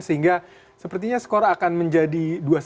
sehingga sepertinya skor akan menjadi dua satu